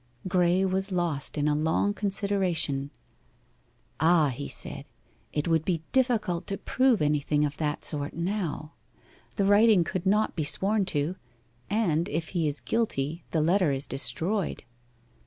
Graye was lost in a long consideration. 'Ah!' he said, 'it would be difficult to prove anything of that sort now. The writing could not be sworn to, and if he is guilty the letter is destroyed.